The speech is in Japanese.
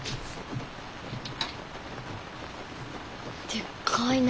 でっかいな。